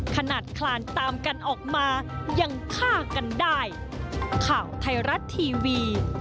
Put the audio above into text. ขนาดคลานตามกันออกมายังฆ่ากันได้